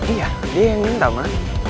iya dia yang minta maaf